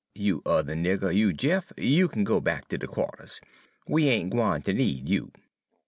You other nigger, you Jeff, you kin go back ter de qua'ters. We ain' gwine ter need you.'